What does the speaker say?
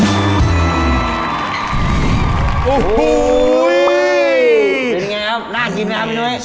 กินยังไงครับน่ากินไหมครับพี่นุ้ย